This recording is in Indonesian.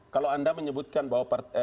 kalau anda menyebutkan bahwa